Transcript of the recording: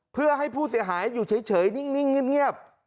เพื่อให้ผู้เสียหายอยู่เฉยนิ่งเงียบ